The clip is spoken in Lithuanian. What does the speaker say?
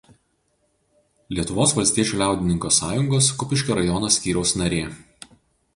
Lietuvos valstiečių liaudininkų sąjungos Kupiškio rajono skyriaus narė.